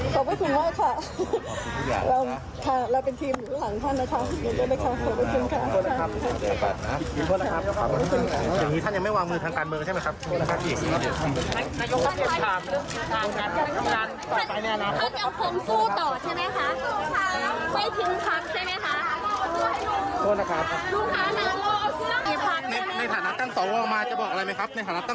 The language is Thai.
ขอบคุณมากค่ะเราเป็นทีมของท่านนะคะ